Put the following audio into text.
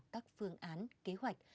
các phương án kế hoạch